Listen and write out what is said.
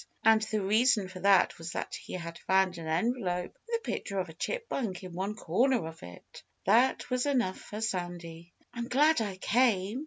And the reason for that was that he had found an envelope with the picture of a chipmunk in one corner of it! That was enough for Sandy. "I'm glad I came!"